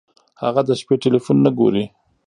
هغه د شپې ټیلیفون نه ګوري.